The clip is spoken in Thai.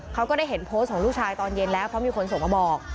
ก็ได้เห็นโพสต์ของลูกชายตอนเย็นแล้วเพราะมีคนส่งมาบอก